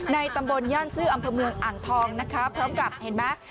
ตำบลย่านซื้ออำเภอเมืองอ่างทองนะคะพร้อมกับเห็นไหม